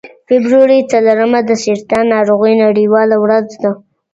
فبرورۍ څلورمه د سرطان ناروغۍ نړیواله ورځ ده.